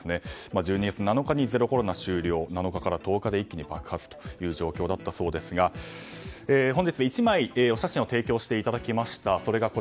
１２月７日にゼロコロナ終了７日から１０日で一気に爆発という状況だったそうですが本日１枚お写真を提供していただきました。